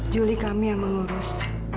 juli kami yang mengurus